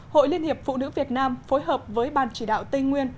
hội liên hiệp phụ nữ việt nam phối hợp với ban chỉ đạo tây nguyên